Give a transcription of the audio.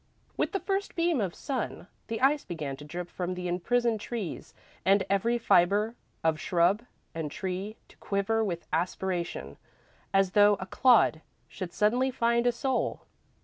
With the first beam of sun, the ice began to drip from the imprisoned trees and every fibre of shrub and tree to quiver with aspiration, as though a clod should suddenly find a soul.